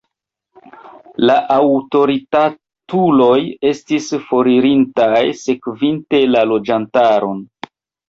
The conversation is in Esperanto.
La aŭtoritatuloj estis foririntaj, sekvinte la loĝantaron.